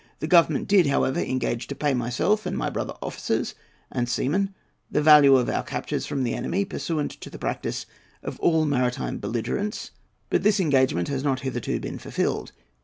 The Government did, however, engage to pay to myself and my brother officers and seamen the value of our captures from the enemy, pursuant to the practice of all maritime belligerents, but this engagement has not hitherto been fulfilled.